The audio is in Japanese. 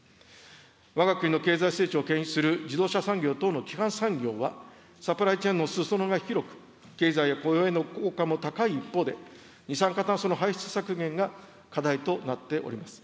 わが国の経済成長をけん引する自動車産業等の基幹産業はサプライチェーンのすそ野が広く、経済や雇用への効果も高い一方で、二酸化炭素の排出削減が課題となっております。